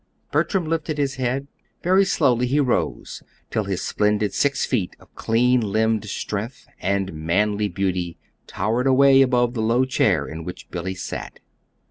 Bertram lifted his head. Very slowly he rose till his splendid six feet of clean limbed strength and manly beauty towered away above the low chair in which Billy sat.